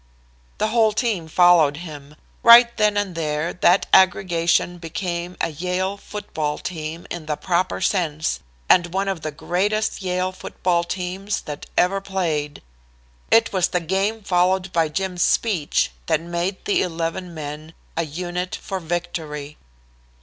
"The whole team followed him. Right then and there that aggregation became a Yale football team in the proper sense, and one of the greatest Yale football teams that ever played. It was the game followed by Jim's speech that made the eleven men a unit for victory.